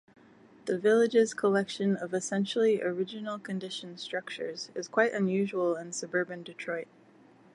The village's collection of essentially original-condition structures is quite unusual in suburban Detroit.